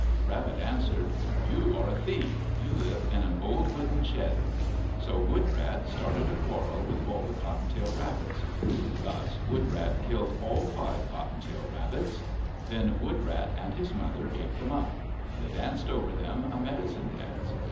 Rabbit answered, " You are a thief. You live in an old wooden shed." So Woodrat started a quarrel with all the cotton tail rabbits. Thus Woodrat killed all five cotton tail rabbits. Then Woodrat and his mother ate them up. They danced over them a medicine dance.